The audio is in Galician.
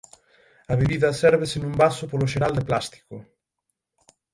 A bebida sérvese nun vaso polo xeral de plástico.